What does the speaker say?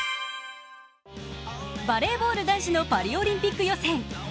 バレーボール男子のパリオリンピック予選。